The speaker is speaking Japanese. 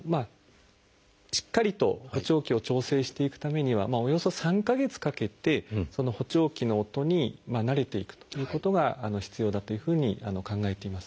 しっかりと補聴器を調整していくためにはおよそ３か月かけて補聴器の音に慣れていくということが必要だというふうに考えています。